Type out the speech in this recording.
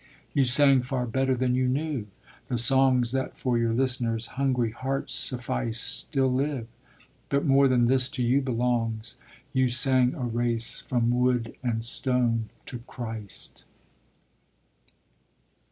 You sang far better than you knew; the songs That for your listeners' hungry hearts sufficed Still live, but more than this to you belongs: You sang a race from wood and stone to Christ.